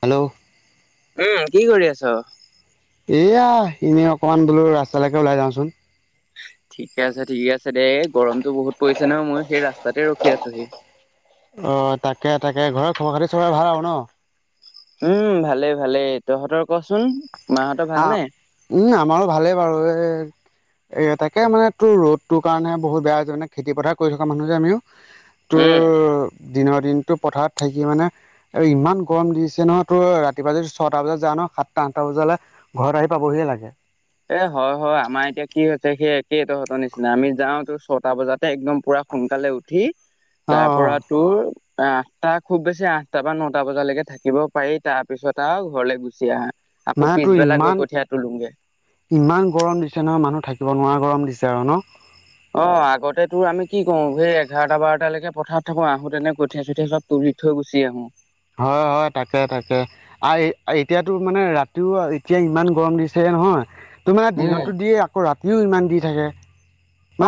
Hello? উম, কি কৰি আছ? এয়া, এনেই অকমান বোলোঁ ৰাস্তালৈকে ওলাই যাওঁছোঁন। ঠিকে আছে, ঠিকে আছে, দে গৰমতটো বহুত পৰিছে নহয়, মইও সেই ৰাস্তাতে ৰখি আছোহি। অ', তাকে তাকে, ঘৰৰ খবৰ খাতি চবৰে ভাল ন'? উম, ভালেই ভালেই, তহঁতৰ কছোঁন মাহঁতৰ আহ ভালনে? উম, আমাৰো ভালেই বাৰু এ এ তাকে মানে তোৰ ৰ'দটোৰ কাৰণে বহুত বেয়া হৈছে মানে, খেতিপথাৰ কৰি থকা মানুহ যে আমিও। তোৰ উম দিনৰ দিনতটো পথাৰত থাকি মানে আৰু ইমান গৰম দিছে নহয়, তোৰ ৰাতিপুৱা যদি ছয়টা বজাত যাৱ ন সাত সাত টা আঠ টা বজালে ঘৰত আহি পাবহিয়ে লাগে। এ হয়, হয়, আমাৰ এতিয়া কি হৈছে, সেই একেই তহতৰ নিচিনা আমি যাও তোৰ ছটা বজাতে একদম পুৰা সোনকালে উঠি অ তাৰ অ পৰা তোৰ আঠটা খুব বেছি আঠটা বা নটা বজালৈকে থাকিব পাৰি, তাৰ পিছত ত ঘৰলেলৈ গুচি আহা আকৌ মানে তোৰ পিছবেলা ইমান গৈ কঠিয়া তোলোগে। ইমান গৰম দিছে নহয় মানুহ থাকিব নোৱাৰা গৰম দিছে আৰু ন'? অ', আগতে তোৰ আমি কি কৰো, সেই এঘাৰটা বাৰটালৈকে পথাৰত থাকো আহোতেনে কঠিয়াই চঠিয়া চব তুলি থৈ গুচি আহো। হয়, হয়, তাকে তাকে। আ এতিয়াতো মানে ৰাতিও এতিয়া ইমান গৰম দিছেহে নহয়। তোৰ মানে উম দিনতো দিয়ে আকৌ ৰাতিও ইমান দি থাকে,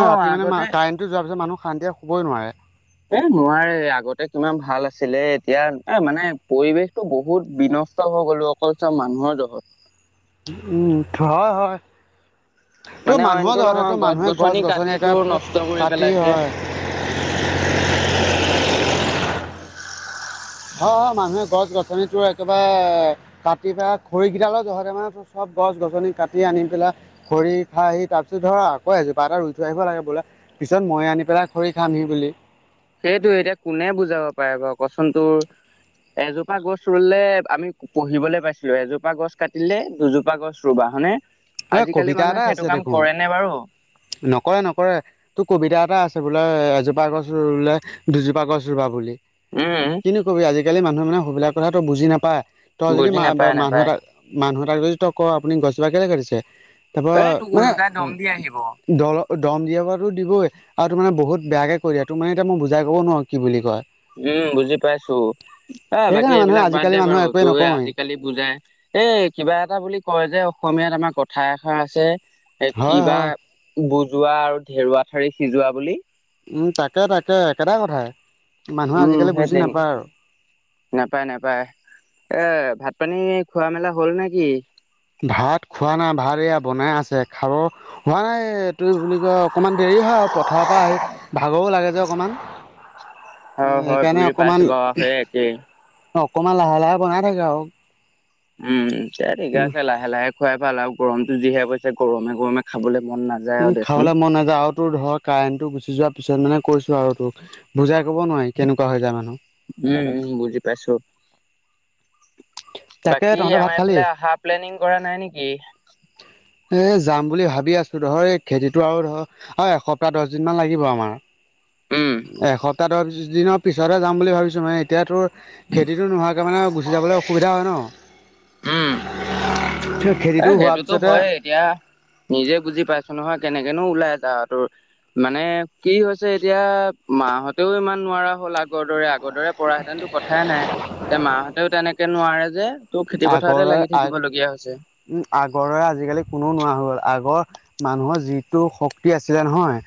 অ ৰাতি মানে আগতে কাৰেণ্ট টো যোৱা পিছত মানুহ শান্তিৰে শুবই নোৱাৰে। এ নোৱাৰে, আগতে কিমান ভাল আছিলে, এতিয়া এ মানে পৰিৱেশতটো বহুত বিনষ্ট হৈ গ'লো অকল চব মানুহৰ জহত। উম, হয়, হয়। তোৰ মানে মানুহৰ অইনটো জহতে নহয় তোৰ মানুহে গছ কাটি গছনি একে তোৰ নষ্ট কৰি কাটি পেলাইছে হয়। অ', অ', মানুহে গছ গছনি তোৰ এক একেবাৰে কাটি পেলাই খৰিকেইদালৰ জহতে মানে চব গছ গছনি কাটি আনি পেলাই খৰি খাই আহি তাৰ পিছত ধৰ আকৌ আহিজো পা এটা ৰুই থৈ আহিব লাগে বোলে পিছত মই আনি পেলাই খৰি খামহি বুলি। সেইটোৱে, এতিয়া কোনে বুজাব পাৰে বাৰু কচোন, তোৰ এজোপা গছ ৰুলে, আমি পঢ়িবলৈ পাইছিলো, এজোপা গছ কাটিলে দুজোপা গছ ৰুৱা হয় নে, এ আজিকালি কবিতা মানুহে এটাই আছে সেইটো কাম দেখোন কৰে নে বাৰু? নকৰে নকৰে। তোৰ কবিতা এটা আছে বোলে এজোপা গছ ৰুলে দুজোপা গছ ৰুবা বুলি। উম। কিনো কবি আজিকালি মানুহ মানে সেইবিলাক কথা তোৰ বুজি নাপায় তই যদি বুজি মা নাপায় মানুহ নাপায় এটা মানুহ এতাক যদি তই ক'ও আপুনি গছজোপা কেলে কাটিছে? তাৰপৰা এ তোক মানে ওলোটাই দম দি আহিব দল দম দিয়াৰো দিবই, আৰু তোৰ মানে বহুত বেয়াকে কৈ দিয়ে, তোৰ মানে এতিয়া মই বুজাই কব নোৱাৰো কি বুলি কয়। উম, বুজি পাইছোঁ। এ বাকী সেইকাৰণে মানুহে এইবিলাক বাদ আজিকালি দে মানুহে বাৰু একোৱে তই নকওঁৱেই আজিকালি বুজাই এই কিবা এটা বুলি কয় যে, অসমীয়াত আমাৰ কথা এষাৰ আছে। এ হয় কিবা হয় বুজোৱা আৰু ধেৰুৱা ঠাৰি সিজোৱা বুলি। উম, তাকে-তাকে একেটা কথাই। মানুহে উম, আজিকালি বুজি সে নাপায় আৰু নাপায়-নাপায় এ ভাত পানী খোৱা মেলা হ'ল নেকি? ভাত খোৱা নাই, ভাত এয়া বনাই আছে খা খোৱা নাই এইটো বুলি কয় অকমান দেৰি হয় আৰু পথাৰৰ পৰা আহি ভাগৰো লাগে যে অকমান। হয় হয় সেইকাৰণে বুজি পাইছো অকমান বাৰু সেই একেই অকমান লাহে-লাহে বনাই থাকে আৰু। উম, দিয়া ঠিকে আছে লাহে-লাহে খুৱাই ভাল আৰু গৰমতো যিহে পৰিছে গৰমে-গৰমে খাবলৈ মন নযায়। উম, খাবলৈ মন নাযায় আৰু তোৰ ধৰ কাৰেণ্টটো গুচি যোৱাৰ পিছত মানে কৈছো আৰু তোক বুজাই ক'ব নোৱাৰি কেনেকুৱা হৈ যায় মানুহ। উম, বুজি পাইছোঁ। তাকে বাকী তহঁতে ভাত আমাৰ খালি এইফালে আহা প্লেনিং কৰা নাই নেকি? এ যাম বুলি ভাবি আছোঁ, ধৰ এই খেতিটো আৰু ধৰ অহ, এসপ্তাহ দহদিন মান লাগিব আমাৰ। উম এসপ্তাহৰ দহদিনৰ পিছতহে যাম বুলি ভাবিছোঁ মানে এতিয়া তোৰ খেতিটো নোহোৱাকে মানে গুচি যাবলৈ অসুবিধা হয় ন'। উম। [unintelligible] এ হোৱাৰ সেইটোতো পিছতে হয় এতিয়া, নিজে বুজি পাইছোঁ নহয় কেনেকেনো ওলাই যাওঁ তোৰ। মানে কি হৈছে এতিয়া মাহঁতেও ইমান নোৱাৰা হ'ল আগৰ দৰে। আগৰ আগৰদৰে পৰাহেঁতেনতো কথাই নাই, এতিয়া মাহঁতেও তেনেকে নোৱাৰে যে। ত' খেতি পথাৰতে লাগি থাকিব লগীয়া হৈছে। উম, আগৰ দৰে আজিকালি কোনো নোৱাৰা হৈ গ'ল। আগৰ মানুহৰ যিটো শক্তি আছিলে নহয়,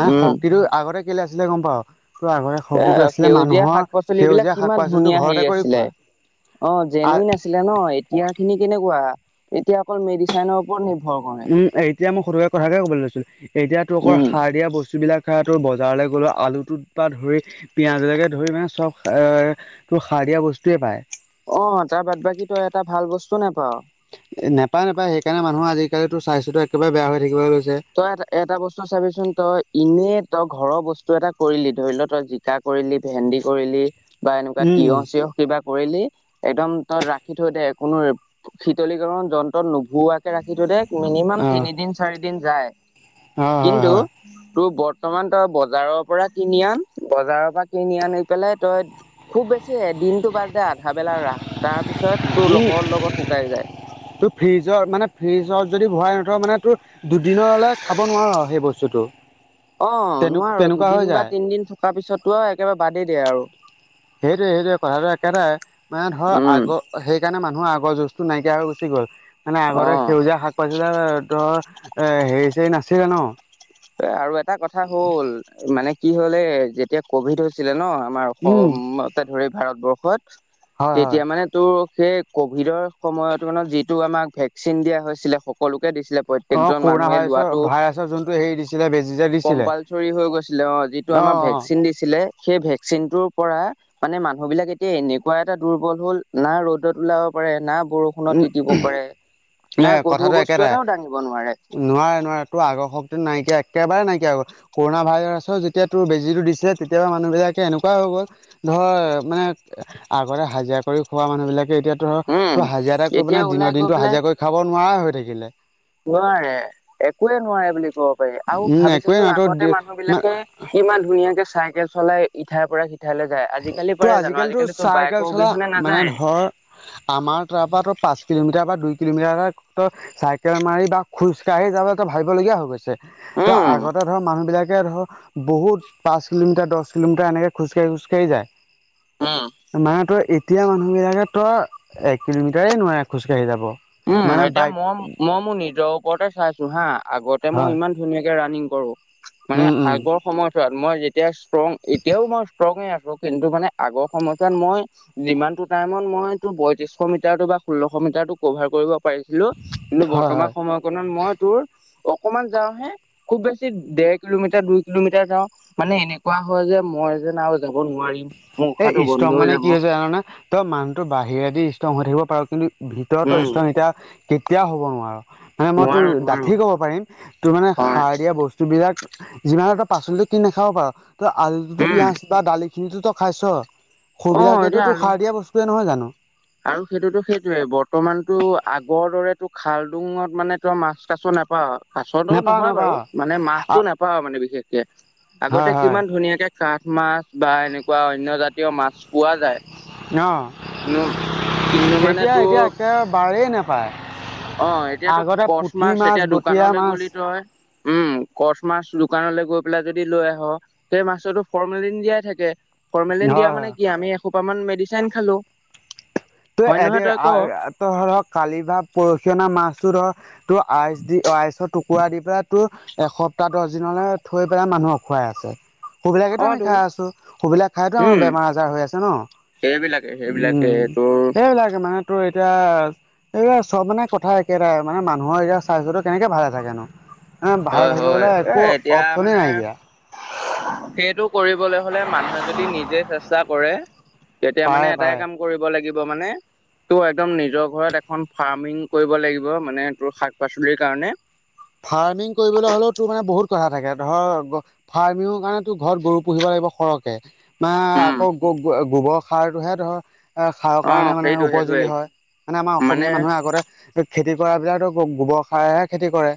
মানে উম শক্তিটো আগতে কেলে আছিলে গম পাওঁয়? ত' আগতে এ শক্তিটো আছিলে সেউজীয়া মানুহৰ শাক পাচলি সেউজীয়া শাক-পাচলিটো ঘৰতে কৰি খোৱা। অহ, জেনওইন আছিলে ন' এতিয়াখিনি কেনেকুৱা, এতিয়া অকল মেডিচেইনৰ ওপৰত নিৰ্ভৰ। কৰে উম, এতিয়া মই সৰুে কথাকে ক'বলৈ লৈছিলোঁ, এতিয়া তোক অকল উম সাৰ দিয়া বস্তুবিলাক এতিয়া বজাৰলৈ গ'লো আলুটোৰ পৰা ধৰি পিয়াজলৈকে ধৰি মানে চব এ তোৰ সাৰ দিয়া বস্তুৱেই পাই। অহ, তাৰ বাদ বাকী তই এটা ভাল বস্তু নাপাওঁ। এ নাপায়-নাপায় সেইকাৰণে মানুহৰ আজিকালি তোৰ স্বাস্থ্যটো একেবাৰে বেয়া হৈ থাকিবলৈ লৈছে। তই এটা-এটা বস্তু চাবিচোন, তই ইনেয়ে তই ঘৰৰ বস্তু এটা কৰিলি ধৰিল তই জিকা কৰিলি, ভেন্দি কৰিলি বা এনেকুৱা উম তিয়হ-চিয়হ কিবা কৰিলি, একদম তই ৰাখি থৈ দে কোনো শীতলীকৰণ যন্ত্ৰত নোঘোৱাকে ৰাখি থৈ দে। মিনিমাম অ তিনিদিন চাৰিদিন যায় হয় হয় কিন্তু হয় তোৰ বৰ্তমান তই বজাৰৰ পৰা কিনি আন, বজাৰৰ পৰা কিনি আনি পেলাই তই খুব বেছি এদিনতটো বাদ দে আধা বেলা ৰাস, তাৰ পিছত তোৰ উম লগৰ লগত শুকাই যায়। তোৰ ফ্ৰিজৰ মানে, ফ্ৰিজত যদি ভৰাই নথওঁ মানে তোৰ দুদিনৰ হ'লে খাব নোৱাৰো সেই বস্তুটো, অ নোৱাৰো তেনে-তেনেকুৱা দুদিন হৈ বা যায়। তিনদিন থকাৰ পিছতো আৰু একেবাৰে বাদেই দিয়ে আৰু। সেইটোৱে-সেইটোৱে কথাটো একেটাই, মানে ধৰ উম আগৰ সেইকাৰণে মানুহৰ আগৰ যু টো নাইকিয়া হৈ গুচি গ'ল, মানে আগৰতে অ' সেউজীয়া শাক [unintelligible] ধৰ হেৰি-চেৰি নাছিলে ন'। আৰু এটা কথা হ'ল মানে কি হ'লে যেতিয়া কভিড হৈছিলে ন' আমাৰ উম অসমতে ধৰি ভাৰতবৰ্ষত। হয় হয় তেতিয়া মানে টো, সেই ক'ভিডৰ সময়ত মানে যিটো আমাক ভেকচিন দিয়া হৈছিলে, সকলোকে দিছিলে। অ', প্ৰত্যেকজন কৰোনা মানুহে লোৱাটো ভাইৰাছৰ-ভাইৰাছৰ যোনটো হেৰি দিছিলে বেজি দিছিলে কম্পালচৰি হৈ গৈছিলে অ', যিটো আমাক ভেকচিন দিছিলে সেই ভেকচিনটোৰ পৰা মানে মানুহবলাক এতিয়া এনেকুৱা এটা দুৰ্বল হ'ল না' ৰ'দত ওলাব পাৰে না' বৰষ ষুণত উম তিতিব পাৰে এ না, গধুৰ কথাটো বস্তু একেটাই এটাও দাঙিব নোৱাৰে। নোৱাৰে নোৱাৰে টোৰ আগৰ শক্তি নাইকিয়া একেবাৰে নাইকিয় হৈ গল কৰোণা ভাইৰাছৰ যেতিয়া তোৰ বেজীটো দিছিলে, তেতিয়া‌ পাই মানুহবিলাকে এনেকুৱাই হৈ গ'ল। ধৰ মানে আগতে হাজিৰা কৰি খোৱা মানুহ বিলাকে এতিয়া ধৰ উম তোৰ হাজিৰা এটা এতিয়া মানে ওলাই দিনৰ গৈ দিনতো পেলাই হাজিৰা কৰি খাব নোৱাৰাই হৈ থাকিলে। নোৱাৰে একোৱে নোৱাৰে বুলি ক'ব পাৰি আৰু উম একোৱেই ভাবিছাচোন নাই তোৰ আগতে মানুহ মানে বিলাকে ইমান ধুনীয়াকে চাইকেল চলাই ইঠাইৰ পৰা সিঠাইলৈ যায়। আজিকালি তো পাৰে জানো আজিকালি তো আজিকালিতো চাইকেল বাইকৰ চলা অবিহনে মানে নাযায় ধৰ আমাৰ তাৰপা তোৰ পাঁচ কিলোমিটাৰ বা দুই কিলোমিটাৰ হয় ত চাইকেল মাৰি বা খোজকাঢ়ি যাবলে ভাবিৱ‌ লগীয়া হৈ গৈছে। ত উম আগতে ধৰ মানুহ বিলাকে ধৰ বহুত পাঁচ কিলোমিটাৰ, দহ কিলোমিটাৰ এনেকে খোজকাঢ়ি, খোজকাঢ়ি যায়। উম। মা তোৰ এতিয়া মানুহ বিলাকে তই এক কিলোমিটাৰেই নোৱাৰে খোজকাাঢ়ি যাব। উম, মানে এতিয়া বাইক মই মই মোৰ নিজৰ ওপৰতে চাইছো হা আগতে মই হয় ইমান ধুনীয়াকে ৰাণিং কৰো মানে উম উম আগৰ সময়ছোৱাত মই যেতিয়া ষ্ট্ৰং এতিয়াও মই ষ্ট্ৰঙে আছোঁ, কিন্তু মানে আগৰ সময়ছোৱাত মই যিমানটো টাইমত মইতো বয়ত্ৰিশ মিটাৰটো বা ষোল্লশ মিটাৰটো কভাৰ কৰিব পাৰিছিলো, কিন্তু হয় বৰ্তমান হয় সময়কণত মই তোৰ অকমান যাওঁহে খুব বেছি ডেৰ কিলোমিটাৰ, দুই কিলোমিটাৰ যাওঁ। মানে এনেকুৱা হয় যে, মই যেন আৰু যাব নোৱাৰিম। মোৰ উশাহটো এই বন্ধ ষ্ট্ৰং হৈ মানে যাব কি হৈছে জাননে? ত' মানুহটো বাহিৰেদি ষ্ট্ৰং হৈ থাকিব পাৰ, কিন্তু ভিতৰতো উম ষ্ট্ৰং এতিয়া কেতিয়াও হ'ব নোৱাৰ। হে মই তোৰ নোৱাৰো নোৱাৰো ডাঠি ক'ব পাৰিম, তোৰ মানে হয় সাৰ দিয়া বস্তু বিলাক যিমানে তই পাচলিটো কিনি নাখাব পাৰ, ত' আলুতো, উম পিঁয়াজ বা দালি খিনিতো তই খাইছ, অ এতিয়া সুইবিলাকেতো আলু সাৰ দিয়া বস্তুৱেই নহয় জানো। আৰু সেইটোতো সেইটোৱেই, বৰ্তমানতো আগৰ দৰেতো খালডুঙত মানে তই মাছ, কাছ নাপাও। কাছটো নেপাও নহয় বাৰু নেপাও মানে মাছটো নাপাও মানে বিশেষকে, হয় আগতে হয় কিমান ধুনীয়াকে কাঠ মাছ বা এনেকুৱা অন্য জাতীয় মাছ পোৱা অ যায় কিন্তু, মানে তোৰ বাৰেই নাপায়। অ', এতিয়াতো কৰ্চ মাছ এতিয়া বটীয়া দোকানলৈ মাছ গ'লি তই, উম। কৰ্চ মাছ দোকানলৈ গৈ পেলাই যদি লৈ আহ, সেই মাছতো ফৰ্মেলিন দিয়াই থাকে। হয় ফৰ্মেলিন দিয়া হয় মানে কি, আমি এসোপা মান মেডিচিন খালো। তো হয় এহতি নহয় তই ক আ আ ৰ কালি বা পৰহি অনা মাছটো ধৰ তোৰ আইচ দি, আইচৰ টুকুৰা দি পেলাই তোৰ এসপ্তাহ, দহ দিনলৈ থৈ পেলাই মানুহক খুৱাই আছে। সুবিলাকেতো অ আমি তো খাই আছোঁ, সুবিলাক খাইটো আমাৰ উম বেমাৰ-আজাৰ হৈ আছে ন। সেইবিলাকে, সেইবিলাকে উম তোৰ সেইবিলাকে মানে তোৰ এতিয়া এইয়া চব মানে কথা একেটাই, মানে মানুহৰ এতিয়া স্বাস্থ্যটো কেনেকে ভালে থাকেনো এ ভালে হয় হয় থাকিবলৈ এ একো এতিয়া অপচনেই মানে নাইকিয়া। সেইটো কৰিবলৈ হলে মানুহে যদি নিজে চেষ্টা কৰে, তেতিয়া পাৰে মানে পাৰে এটাই কাম কৰিব লাগিব। মানে তোৰ একদম নিজৰ ঘৰত এখন ফাৰ্মিং কৰিব লাগিব, মানে তোৰ শাক-পাচলিৰ কাৰণে। ফাৰ্মিং কৰিবলৈ হ'লেও তোৰ মানে বহুত কথা থাকে ধৰ ফাৰ্মিঙৰ কাৰণেতো ঘৰত গৰু পুহিব লাগিব সৰহকে। মা উম আকৌ গোবৰ সাৰটোহে ধৰ এ, সাৰৰ অ কাৰণে মানে সেইটো সেইটোৱে উপযোগী হয়, মানে আমাৰ অসমীয়া মানুহে আগতে খেতি কৰা বিলাকতো গোবৰ সাৰহে খেতি কৰে।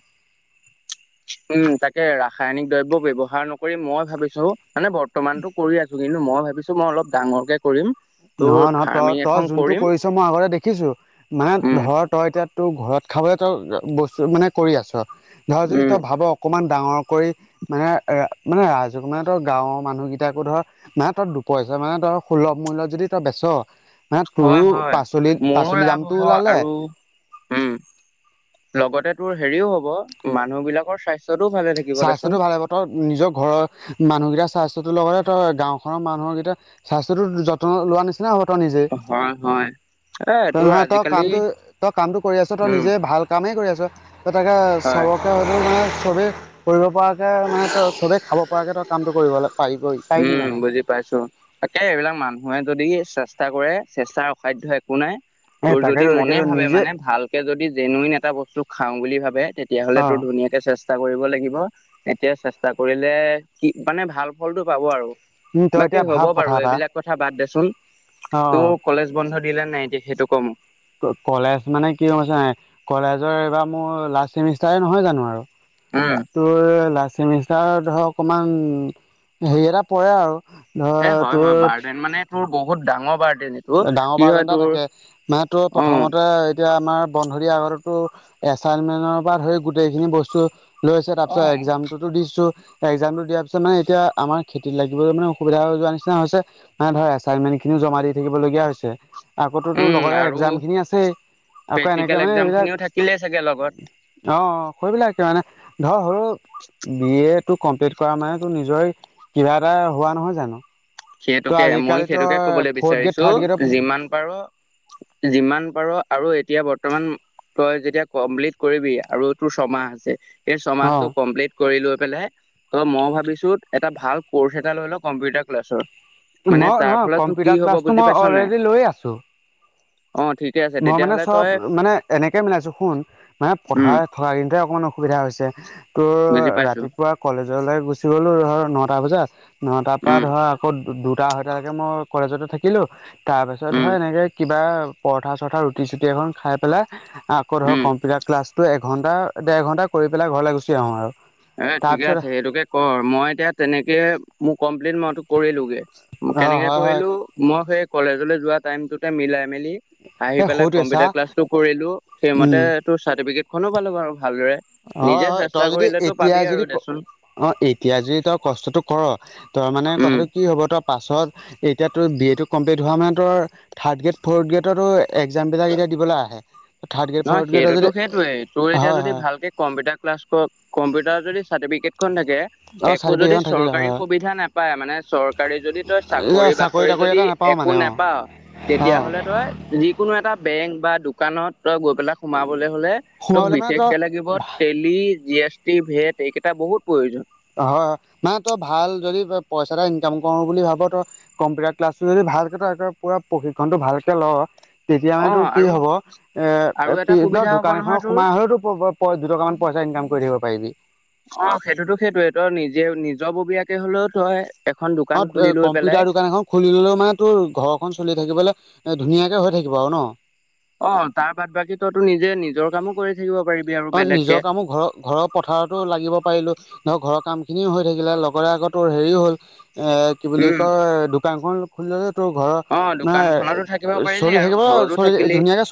উম, তাকে ৰাসায়নিক দ্ৰব্য ব্যাৱহাৰ নকৰি মই ভাবিছো মানে বৰ্তমানতটো কৰি আছো। কিন্তু মই ভাবিছোঁ মই অলপ ডাঙৰকে কৰিম। তোৰ নহয় নহয় তই ফাৰ্মিং তই এখন যোনটো কৰিম কৰিছ মই আগতে দেখিছোঁ, মানে উম ধৰ তই এতিয়া তোৰ ঘৰত খাবলৈ তই বস্তু মানে কৰি আছ, ধৰ যদি উম তই ভাব অকণমান ডাঙৰ কৰি মানে মানে ৰাজহক মানে ধৰ গাঁৱৰ মানুহকেইটাকো ধৰ মানে তই দুপইচা মানে তই সুলভ মূল্যত যদি তই বেচ মানে হয় তোৰো হয় পাচলিত মোৰো পাচলি লাভ দামটো হ'ব ওলালে আৰু উম, লগতে তোৰ হেৰিও হ'ব মানুহবিলাকৰ স্বাস্থ্য স্বাস্থ্যটো ভালে হ'ব তই নিজৰ ঘৰৰ মানুহকেইটাৰ স্বাস্থ্যটোৰ লগতে তই গাঁওখনৰ মানুহকেইটা স্বাস্থ্যৰো যত্ন লোৱা নি নিচিনা হ'ব তই নিজে। হয় হয়। এ তই তোৰ নহয় তই আজিকালি কামটো তই কামটো কৰি আছ তই উম নিজে ভাল কামেই কৰি আছ, ত' তাকে হয় চবকে হয়তো মানে চবেই কৰিব পৰাকে মানে তই চবেই খাব পৰাকে তই কামটো কৰিব লা উম বুজি পাইছোঁ। তাকে এইবিলাক মানুহে যদি চেষ্টা কৰে চেষ্টাৰ অসাধ্য কো নাই। এ তোৰ যদি তাকেতো মনে তাকেতো ভাবে নিজে মানে ভালকে যদি জেনুৱন এটা বস্তু খাও বুলি ভাবে তেতিয়াহ'লে অ তোৰ ধুনীয়া চেষ্টা কৰিব লাগিব, এতিয়া চেষ্টা কৰিলে কি মানে ভাল ফলটো পাব আৰু। উম তই এতিয়া বাকী হ'ব ভাব কথা বাৰু এটা এইবিলাক কথা বাদ দেচোন। অ তোক কলেজ বন্ধ দিলে নাই এতিয়া সেইটো ক' মোক? কলেজ মানে কি হৈছে কলেজৰ এইবাৰ মোৰ লাষ্ট চেমিষ্টাৰে নহয় জানো আৰু? উম। তোৰ লাষ্ট চেমিষ্টাৰ ধৰ অকমান হেৰি এটা পৰে আৰু। এ ধৰ হয় হয় তোৰ বাৰ্ডেন মানে তোৰ বহুত বাৰ্ট ডাঙৰ বাৰ্ডেন এটা থাকে, মানে তোৰ অ প্ৰথমতে এতিয়া আমাৰ বন্ধ দিয়াৰ আগতো এচাইনমেন্টৰ পৰা ধৰি গোটেইখিনি বস্তু লৈছে তাৰপিছত এক্সাম টোতো দিছোঁ, এক্সামটো দিয়াৰ পিছত মানে এতিয়া আমাৰ খেতিত লাগিবলৈ মানে অসুবিধা হৈ যোৱা নিচিনা হৈছে নাই ধৰ এচাইনমেণ্টখিনিও জমা দি থাকিবলগীয়া হৈছে। আকৌতো উম লগতে আৰু এক্সামখিনি আছেই আকৌ এনেকে প্ৰেক্টিকেল মানে এক্জাম এইবিলাক খিনিও থাকিলেই চাগে লগত অ', অ' কৰিববিলাকে মানে ধৰ হৰু বি এড টো কমপ্লিট কৰা মানে তোৰ নিজৰে কিবা এটা হোৱা নহয় জানো? ত সেইটোকে, মই আজিকালি তই সেইটোকে কবলৈ ফৰ্থ গ্ৰেড বিচাৰিছোঁ থাৰ্ড গ্ৰেডৰ যিমান পাৰ যিমান পাৰ আৰু এতিয়া বৰ্তমান তই যেতিয়া কমপ্লিট কৰিবি আৰু তোৰ ছমাহ আছে সেই অ ছমাহটো কমপ্লিট কৰি লৈ পেলাই ত' মই ভাবিছোঁ এটা ভাল কৰ্চ এটা লৈ ল' কম্পিউটাৰ ক্লাছৰ। মানে মই তাৰ নহয় ফলত তোৰ কি কম্পিউটাৰ হ'ব ক্লাছটো বুজি মই পাইছ নাই অলৰেডি লৈ আছোঁ। অ' ঠিকে আছে। মই মানে তেতিয়াহ'লে চব তই মানে এনেকে মিলাইছয় শুন মানে উম পথাৰ হয় হেণ্টোৱে অকণমান অসুবিধা হৈছে, তোৰ বুজি পাইছো ৰাতিপুৱা কলেজলৈ গুচি গ'লোঁ ধৰ নটা বজাত, নটাৰপৰা উম ধৰ আকৌ দুটা আৰৈটালৈকে মই কলেজতে থাকিলোঁ তাৰপাছত উম ধৰ এনেকৈ কিবা পৰঠা-চৰঠা ৰুটি চুটি এখন খাই পেলাই, আকৌ উম ধৰক কম্পিউটাৰ ক্লাছ টো এঘন্ট, দেৰ ঘণ্টা কৰি পেলাই ঘৰলৈ গুচি আহো আৰু। এ, ঠিকে তাৰপিছত আছে সেইটোকে ক'ৰ মই এতিয়া তেনেকে, মোৰ কমপ্লেইন ম কৰিলোগে, অ কেনেকে হয় হয় কৰিলো, মই সেই কলেজলৈ যাৱা টাইম টোত মিলাই-মেলি আহি, এই পেলাই সৌটোৱে চা কম্পিউটাৰ ক্লাছটো কৰিলো উম সেইমতে ত, চাৰ্টিফিকেটখনো পালো বাৰু ভালদৰে। হয়, নিজে হয়। চেষ্টা তই যদি এ কৰিলেতো এতিয়া পাবি আৰু যদি দেচোন অ, এতিয়া যদি তই কষ্টটো কৰ তই মানে উম। কথাটো কি হ'ব তই পাছত, এতিয়া তোৰ বি এটো কমপ্লিট হোৱা মানে তৰ থাৰ্ড গ্ৰেড, ফৰ্থ গ্ৰেডতো, একযামবিলাকো এতিয়া দিবলৈ আহে। থাৰ্ড গ্ৰেড নহয় ফ'ৰ্থ গ্ৰেডৰ সেইটোতো, যদি সেইটয়েই তোৰ এতিয়া হয় যদি হয় ভালকে কম্পিউটাৰ ক্লাছ ক, কম্পিউটাৰ যদি চাৰ্টিফিকেট খন থাকে অঁ একো যদি চাৰ্টিফিকেটখন থাকিলে চৰকাৰী হয় সুবিধা ন পাই, মানে চৰকাৰী যদি তই হয় চাকৰি বাকৰি তাকৰি যদি এটা নাপাওঁ মানে একো অঁ নোপাও অঁ তেতিয়াহ'লে তই যিকোনো এটা বেংক বা দোকানত তই গৈ পেলা সোমাবলৈ হ'লে তোক সোমাবলৈ মানে বিশষকে তই লাগিব তেত দি, এছ, টি, ভেট, এইকেইটা বহুত প্ৰয়োজন। হয় হয়, নাই তই ভাল যদি পইচা এটা ইনকাম কৰো বুলি ভাব ত কম্পিউটাৰ ক্লাছটো যদি ভালকে ত পুৰা প্ৰশিক্ষণটো ভালকে ল, তেতিয়া মান তোৰ অ' কি আৰু হ'ব এ, আৰু পি, এটা তই সুবিধা হ'ব দোকান এখনত নহয় তোৰ সোমাই হ'লেও প-প পই দুটকামান পইচা ইনকাম কৰি থাকিব পাৰিবি। অ, সেইটোতো সেইটোৱে তই নিজে-নিজৰ ববীয়াকে হ'লেও তই এখন অ দোকান খুলি লৈ কম্পিউটাৰ পেলাই দোকান এখন খুলি ল'লেও মানে তোৰ ঘৰখন চলি থাকিবলৈ ধুনীয়াকৈ হৈ থাকিব আৰু ন অ, তাৰ বাদ বাকী তইতো নিজে নিজৰ কামো কৰি থাকিব পাৰিব অ, নিজৰ কামো ঘৰ ঘৰৰ পথাৰতো লাগিব পাৰিলোঁ, ধৰক ঘৰৰ কামখিনিও হৈ থাকিলে, লগতে আক তোৰ হেৰিও হ'ল এ কি বুলি উম। কয়, দোকানখন খুলিল'লে তোৰ ঘৰৰ অ মানে দোকানখনতো থাকিব পাৰিলি চলি আৰু থাকিব, ঘৰতো চলি থাকিলি। ধুনীয়াকে চ